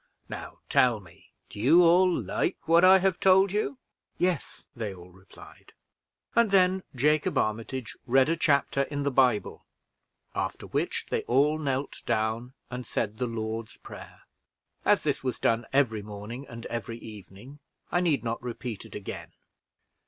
Now tell me, do you all like what I have told you?" "Yes," they all replied; and then Jacob Armitage read a chapter in the Bible, after which they all knelt down and said the Lord's prayer. As this was done every morning and every evening, I need not repeat it again.